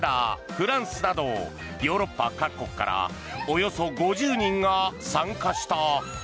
フランスなどヨーロッパ各国からおよそ５０人が参加した。